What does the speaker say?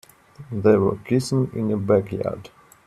They were kissing in the backyard.